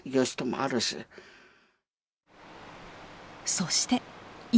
そして今。